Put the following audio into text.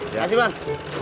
terima kasih bang